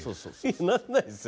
なんないですよ